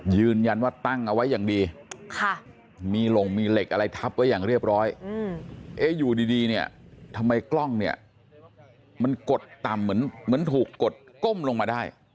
ยืนยันว่าตั้งเอาไว้อย่างดีมีหลงมีเหล็กอะไรทับไว้อย่างเรียบร้อยอยู่ดีเนี่ยทำไมกล้องเนี่ยมันกดต่ำเหมือนถูกกดก้มลงมาได้